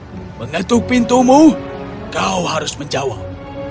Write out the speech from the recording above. dan ketika datang mencarimu mengetuk pintumu kau harus menjawab